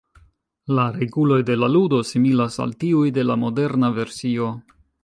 La reguloj de la ludo similas al tiuj de la moderna versio.